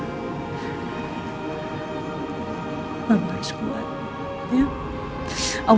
mama harus kuat